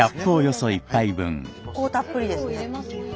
結構たっぷりですね。